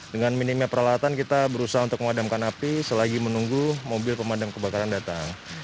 dengan minimnya peralatan kita berusaha untuk memadamkan api selagi menunggu mobil pemadam kebakaran datang